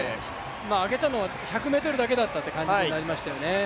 上げたのは１００ｍだけだったという感じになりましたよね。